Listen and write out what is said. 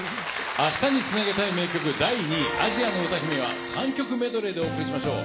明日につなげたい名曲、第２位、アジアの歌姫は３曲メドレーでお送りしましょう。